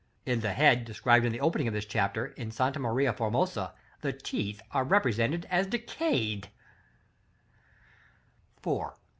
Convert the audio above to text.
In the head, described in the opening of this chapter, at Santa Maria Formosa, the teeth are represented as decayed. § XL.